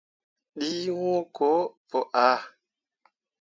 Ɗii wũũ ko pu aa.